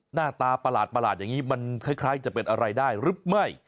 หน้าตาประหลาดอย่างนี้มันคล้ายจะเป็นอะไรได้หรือไม่